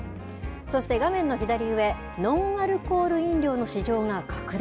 そして画面の左上、ノンアルコール飲料の市場が拡大。